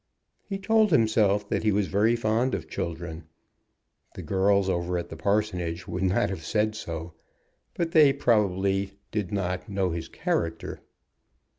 He told himself that he was very fond of children. The girls over at the parsonage would not have said so, but they probably did not know his character.